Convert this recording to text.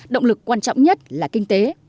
động lực quan trọng nhất là kinh tế